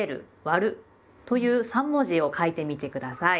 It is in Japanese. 「『割』る」という三文字を書いてみて下さい。